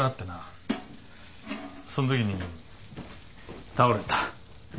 そんときに倒れた。